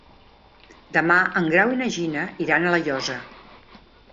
Demà en Grau i na Gina iran a La Llosa.